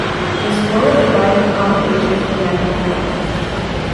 This floor had divided accommodations for men and women.